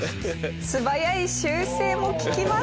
素早い修正も利きます。